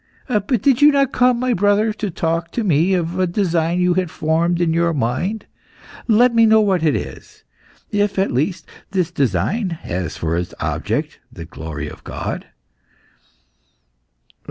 But did you not come, my brother, to talk to me of a design you had formed in your mind? Let me know what it is if, at least, this design has for its object the glory of God."